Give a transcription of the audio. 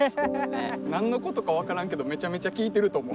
何のことか分からんけどめちゃめちゃ聞いてると思う